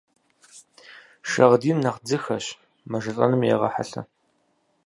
Шагъдийр нэхъ дзыхэщ, мэжэлӀэным егъэхьэлъэ.